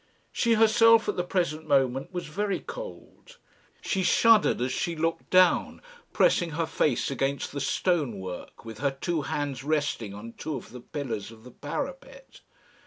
She herself at the present moment was very cold. She shuddered as she looked down, pressing her face against the stone work, with her two hands resting on two of the pillars of the parapet.